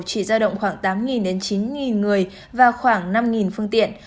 chỉ ra động khoảng tám chín người và khoảng năm phương tiện